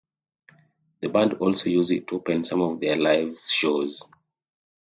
The band also used it to open some of their live shows.